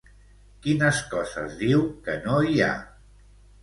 Quines coses diu que no hi ha?